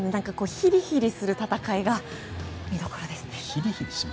ひりひりする戦いが見どころですね。